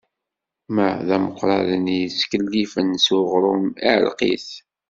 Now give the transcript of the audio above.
Ma d ameqrad-nni yestkellfen s uɣrum, iɛelleq-it.